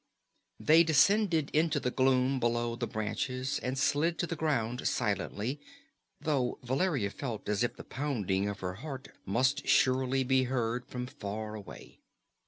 They descended into the gloom below the branches and slid to the ground silently, though Valeria felt as if the pounding of her heart must surely be heard from far away.